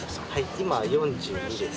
今４２です。